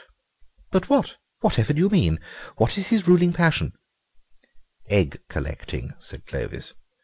"But what? Whatever do you mean? What is his ruling passion?" "Egg collecting," said Clovis.